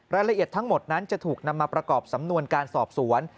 รายละเอียดทั้งหมดนั้นจะถูกนำมาประกอบสำนวนการสอบสวน